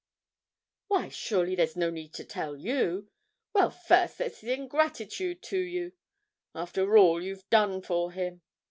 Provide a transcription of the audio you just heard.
'Why, surely there's no need to tell you? Well, first there's his ingratitude to you, after all you've done for him!'